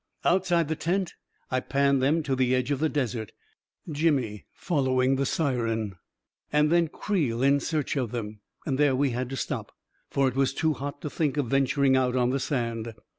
Outside the tent, I panned them to the edge of the desert — Jimmy following the siren ; and then Creel in search of them ; and there we had to stop, for it was too hot to think of venturing out on the sand.